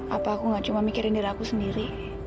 apa aku gak cuma mikirin diri aku sendiri